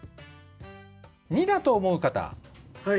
２だと思う方。